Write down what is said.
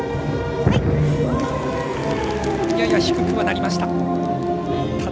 やや低くはなりました。